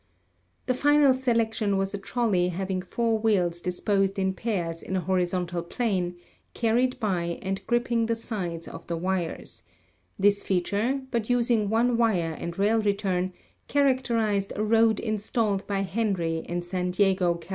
The final selection was a trolley having four wheels dis posed in pairs in a horizontal plane, carried by and grip ping the sides of the wires ; this feature, but using one wire and rail return, characterized a road installed by Henry in San Diego, Cal.